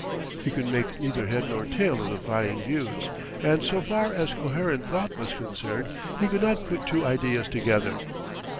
He could make neither head nor tail of the flying views, and so far as coherent thought was concerned, he could not put two ideas together.